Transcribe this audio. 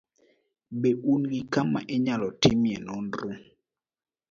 be un gi kama inyalo timie nonro?